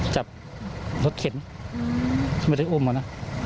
จับลดเข็นไม่ได้อุ้มเหรอ